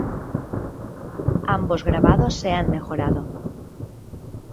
Ambos grabados se han mejorado.